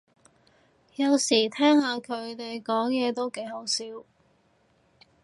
有時聽下佢哋講嘢都幾好笑